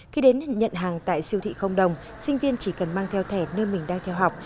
khi đến nhận hàng tại siêu thị không đồng sinh viên chỉ cần mang theo thẻ nơi mình đang theo học